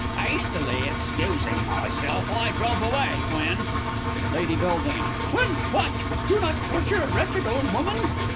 'Astily excusing myself, I drove away, when Lady B. When what? Do not torture a wretched old woman!